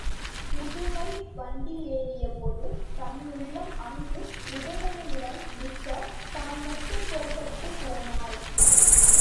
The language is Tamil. பதுமை வண்டியிலேறியபோது தன்னுள்ளம் அங்கு உதயணனிடம் நிற்க, தான் மட்டும் புறப்பட்டுப் போனாள்.